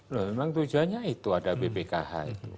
loh memang tujuannya itu ada bpkh itu